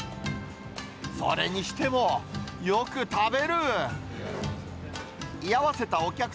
それにしても、よく食べる。